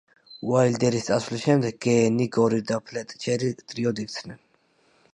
უაილდერის წასვლის შემდეგ გეენი, გორი და ფლეტჩერი ტრიოდ იქცნენ.